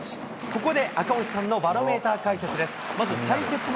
ここで赤星さんのバロメーター解説です。